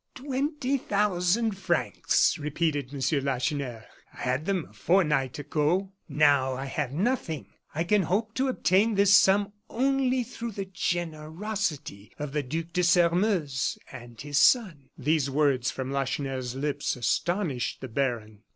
"Twenty thousand francs!" repeated M. Lacheneur. "I had them a fortnight ago; now I have nothing. I can hope to obtain this sum only through the generosity of the Duc de Sairmeuse and his son." These words from Lacheneur's lips astonished the baron.